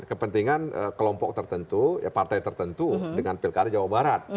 kepentingan kelompok tertentu partai tertentu dengan pilkada jawa barat